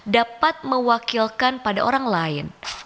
dapat mewakilkan pada orang lain